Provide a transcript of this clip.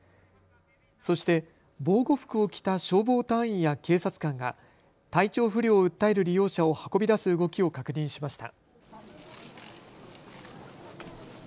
そして防護服を着た消防隊員や警察官が体調不良を訴える利用者を運び出す動きを確認しました。